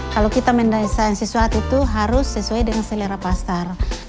kalau kita mendesain sesuatu itu harus sesuai dengan selera pasar